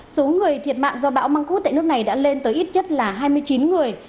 số người thiệt mạng do bão mang cút tại nước này đã lên tới ít nhất là hai mươi chín người